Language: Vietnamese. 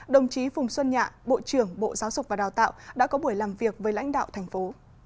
đồng chí phùng xuân nhạ bộ trưởng bộ giáo dục và đào tạo đã có buổi làm việc với lãnh đạo thành phố